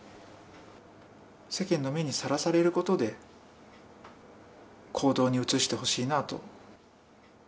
世間の目にさらされることで、行動に移してほしいなと。